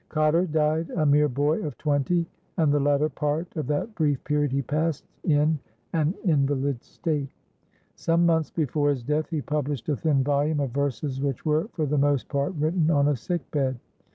Cotter died a mere boy of twenty, and the latter part of that brief period he passed in an invalid state. Some months before his death he published a thin volume of verses which were for the most part written on a sick bed.